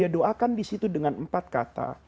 dan di situ dengan empat kata